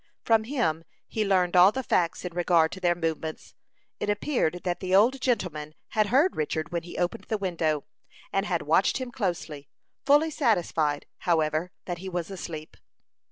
From him he learned all the facts in regard to their movements. It appeared that the old gentleman had heard Richard when he opened the window, and had watched him closely, fully satisfied, however, that he was asleep.